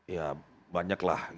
ya banyak lah